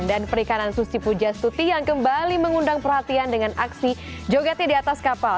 dan perikanan susi pujastuti yang kembali mengundang perhatian dengan aksi jogetnya di atas kapal